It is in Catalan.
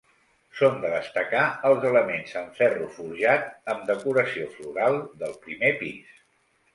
Són de destacar els elements en ferro forjat, amb decoració floral, del primer pis.